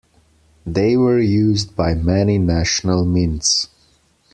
They were used by many national mints.